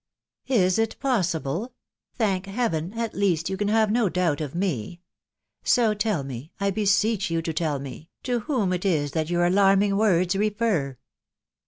" Is it possible ? Thank Heaven ! at least you can have no doubt of me .... So, tell me, I beseech you to tell me, to whom it is that your alarming words refer